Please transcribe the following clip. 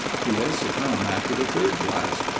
He was to come after the third blast.